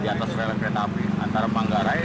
dari dat dapasir jadi aksi tawuran di daerah manggarai